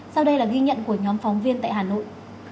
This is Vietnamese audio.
sau đây là ghi nhận của nhóm phóng viên tại hà nội